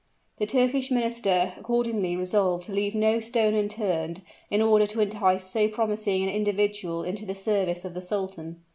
The Turkish Minister accordingly resolved to leave no stone unturned, in order to entice so promising an individual into the service of the sultan.